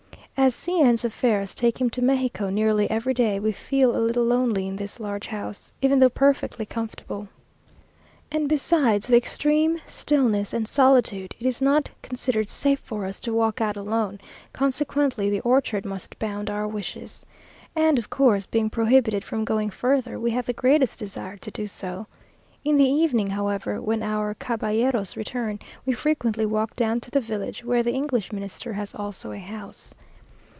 As C n's affairs take him to Mexico nearly every day, we feel a little lonely in this large house, even though perfectly comfortable; and besides the extreme stillness and solitude, it is not considered safe for us to walk out alone; consequently the orchard must bound our wishes. And, of course, being prohibited from going further, we have the greatest desire to do so! In the evening, however, when our caballeros return, we frequently walk down to the village, where the English Minister has also a house.